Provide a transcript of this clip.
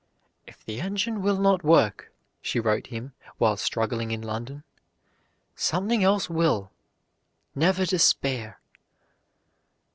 "If the engine will not work," she wrote him while struggling in London, "something else will. Never despair."